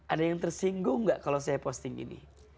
ada yang tersinggung nggak kalau saya posting ini